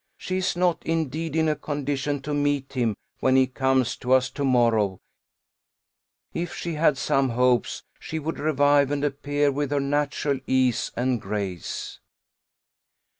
She is not, indeed, in a condition to meet him, when he comes to us to morrow: if she had some hopes, she would revive and appear with her natural ease and grace.